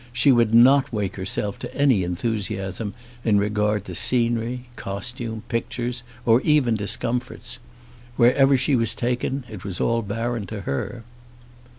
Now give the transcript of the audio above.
She would not wake herself to any enthusiasm in regard to scenery, costume, pictures, or even discomforts. Wherever she was taken it was all barren to her.